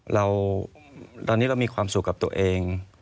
เราตอนนี้เรามีความสุขกับตัวเอง